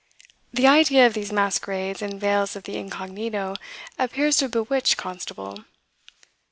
The idea of these masquerades and veils of the incognito appears to have bewitched Constable.